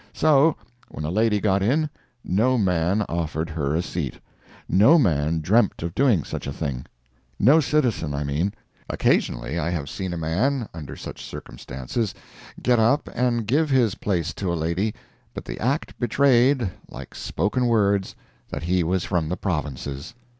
So, when a lady got in, no man offered her a seat—no man dreamt of doing such a thing. No citizen, I mean. Occasionally I have seen a man, under such circumstances, get up and give his place to a lady, but the act betrayed, like spoken words, that he was from the provinces.